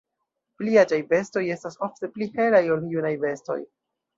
Pli aĝaj bestoj estas ofte pli helaj ol junaj bestoj.